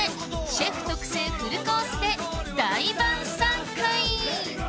シェフ特製フルコースで大晩餐会！